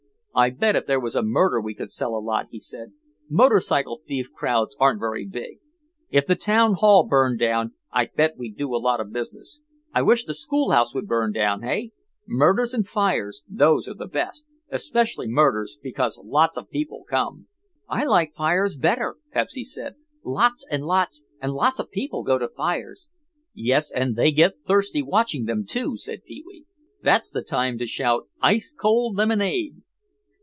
"I bet if there was a murder we could sell a lot," he said. "Motorcycle thief crowds aren't very big. If the town hall burned down I bet we'd do a lot of business. I wish the school house would burn down, hey? Murders and fires, those are the best, especially murders, because lots of people come." "I like fires better," Pepsy said. "Lots and lots and lots of people go to fires." "Yes, and they get thirsty watching them, too," said Pee wee. "That's the time to shout, ice cold lemonade."